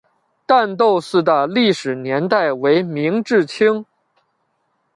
旦斗寺的历史年代为明至清。